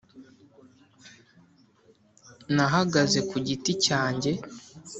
nahagaze ku giti cyanjye,